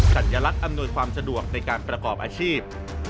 สัญลักษณ์อำนวยความสะดวกในการประกอบอาชีพ